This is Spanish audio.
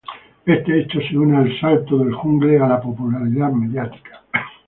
Este hecho se une al salto del jungle a la popularidad mediática.